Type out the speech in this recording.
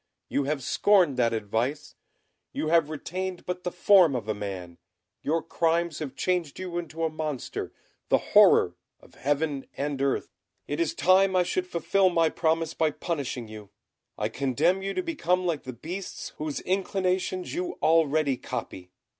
You have scorned that advice; you have retained but the form of a man; your crimes have changed you into a monster, the horror of heaven and earth. It is time I should fulfil my promise by punishing you. I condemn you to become like the beasts whose inclinations you already copy.